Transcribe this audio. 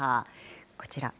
こちら。